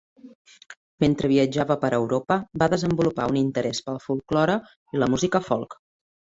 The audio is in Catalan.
Mentre viatjava per Europa, va desenvolupar un interès pel folklore i la música folk.